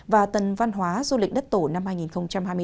và tuần văn hóa du lịch đất tổ năm hai nghìn hai mươi bốn